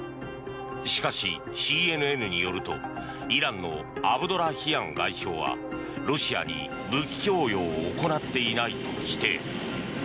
しかし、ＣＮＮによるとイランのアブドラヒアン外相はロシアに武器供与を行っていないと否定。